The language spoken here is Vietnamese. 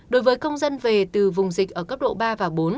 đối với công dân về từ vùng dịch ở cấp độ ba và bốn